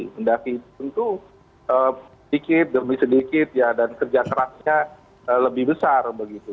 mendaki itu sedikit demi sedikit dan kerja keraksanya lebih besar